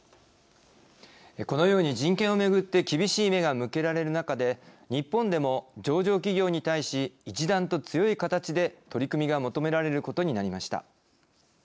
このように人権をめぐって厳しい目が向けられる中で日本でも上場企業に対し一段と強い形で取り組みが求められることになりました。